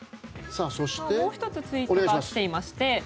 もう１つツイートが来ています。